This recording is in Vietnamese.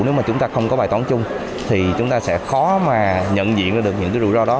nếu mà chúng ta không có bài toán chung thì chúng ta sẽ khó mà nhận diện ra được những cái rủi ro đó